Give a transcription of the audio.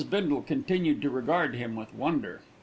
Bindle continued to regard him with wonder.